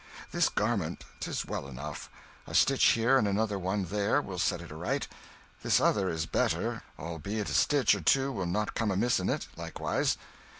. This garment 'tis well enough a stitch here and another one there will set it aright. This other is better, albeit a stitch or two will not come amiss in it, likewise